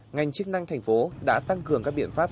ngành chức năng thành phố đã tăng cường các biện pháp